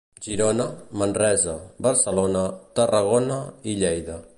Girona, Manresa, Barcelona, Tarragona i Lleida.